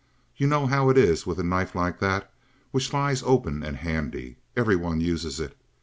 You know how it is with a knife like that, which lies open and handy. Every one uses it.